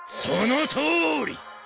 そのとおり！